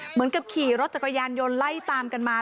เหมือนกับขี่รถจักรยานยนต์ไล่ตามกันมา